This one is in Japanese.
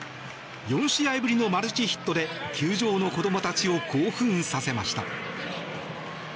４試合ぶりのマルチヒットで球場の子どもたちを興奮させました。